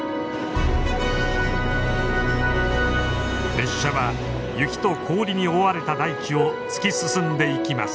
列車は雪と氷に覆われた大地を突き進んでいきます。